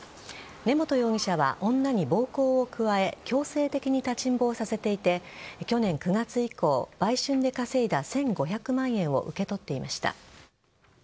根本容疑者は女に暴行を加え強制的に立ちんぼをさせていて去年９月以降売春で稼いだ１５００万円を受け取っていました。